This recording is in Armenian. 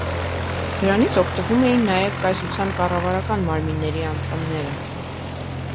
Դրանից օգտվում էին նաև կայսրության կառավարական մարմինների անդամները։